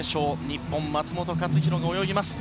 日本、松元克央が泳ぎます。